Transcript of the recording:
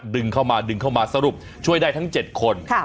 ดึงเข้ามาดึงเข้ามาสรุปช่วยได้ทั้ง๗คน